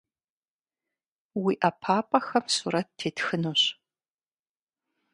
Уи ӏэпапӏэхэм сурэт тетхынущ.